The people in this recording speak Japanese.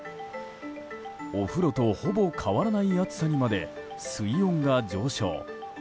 お風呂とほぼ変わらない暑さにまで水温が上昇。